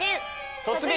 「突撃！